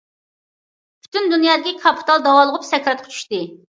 پۈتۈن دۇنيادىكى كاپىتال داۋالغۇپ سەكراتقا چۈشتى.